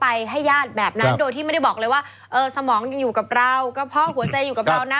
ให้ญาติแบบนั้นโดยที่ไม่ได้บอกเลยว่าเออสมองยังอยู่กับเราก็เพราะหัวใจอยู่กับเรานะ